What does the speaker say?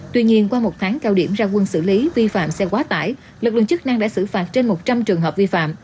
tuy nhiên qua một tháng cao điểm ra quân xử lý vi phạm xe quá tải lực lượng chức năng đã xử phạt trên một trăm linh trường hợp vi phạm